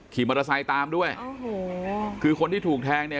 ขี่มอเตอร์ไซค์ตามด้วยโอ้โหคือคนที่ถูกแทงเนี่ย